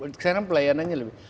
sekarang pelayanannya lebih